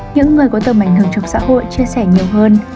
những người có tầm ảnh hưởng trong xã hội chia sẻ nhiều hơn